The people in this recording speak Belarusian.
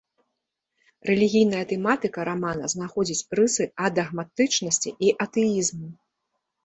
Рэлігійная тэматыка рамана знаходзіць рысы адагматычнасці і атэізму.